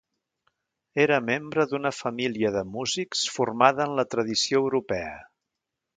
Era membre d'una família de músics formada en la tradició europea.